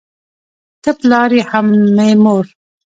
ته پلار یې هم مې مور